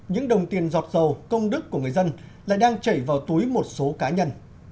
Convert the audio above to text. những đồng tiền giọt dầu công đức của người dân lại đang chảy vào túi một số cá nhân